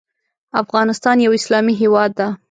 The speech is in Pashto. افغانستان یو اسلامې هیواد ده